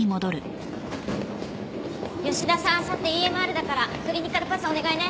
あさってＥＭＲだからクリニカルパスお願いね。